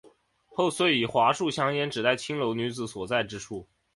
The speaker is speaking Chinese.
后遂以桦树香烟指代青楼女子所在之处。